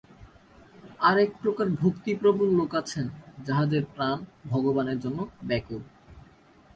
আর এক প্রকার ভক্তিপ্রবণ লোক আছেন, যাঁহাদের প্রাণ ভগবানের জন্য ব্যাকুল।